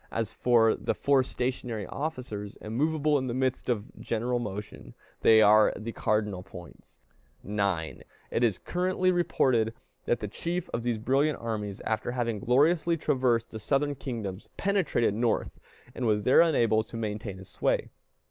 As for the four stationary officers, immovable in the midst of general motion, they are the cardinal points. 9. It is currently reported that the chief of these brilliant armies, after having gloriously traversed the Southern kingdoms, penetrated North, and was there unable to maintain his sway.